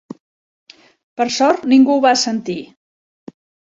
Per sort, ningú ho va sentir.